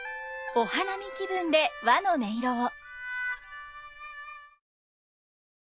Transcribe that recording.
お花見気分で和の音色を！